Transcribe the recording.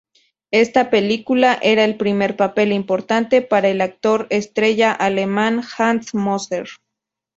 Esta película era el primer papel importante para el actor estrella alemán Hans Moser.